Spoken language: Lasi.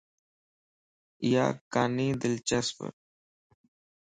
ايا ڪاني دلچسپ